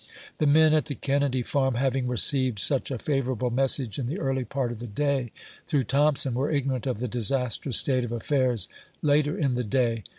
The men at the Kennedy Farm having received such a favorable message in the early part of the day, through Thompson, were ignoraut of the disastrous state of affairs later in the day.